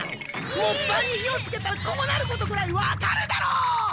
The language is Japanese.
もっぱんに火をつけたらこうなることぐらいわかるだろ！